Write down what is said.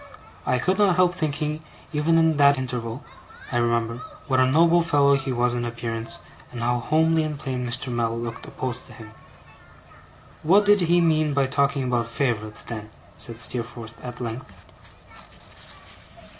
I could not help thinking even in that interval, I remember, what a noble fellow he was in appearance, and how homely and plain Mr. Mell looked opposed to him. 'What did he mean by talking about favourites, then?' said Steerforth at length.